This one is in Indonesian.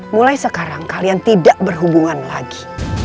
mulai sekarang kalian tidak berhubungan lagi